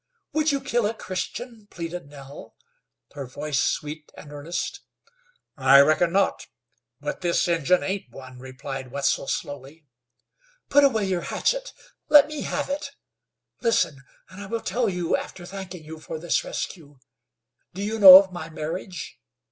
"Would you kill a Christian?" pleaded Nell, her voice sweet and earnest. "I reckon not, but this Injun ain't one," replied Wetzel slowly. "Put away your hatchet. Let me have it. Listen, and I will tell you, after thanking you for this rescue. Do you know of my marriage?